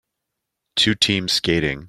Two teams skating.